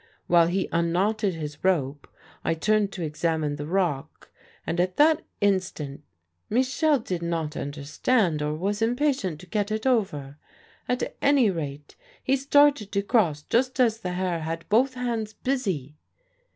While he unknotted his rope I turned to examine the rock, and at that instant ... Michel did not understand, or was impatient to get it over ... at any rate he started to cross just as the Herr had both hands busy.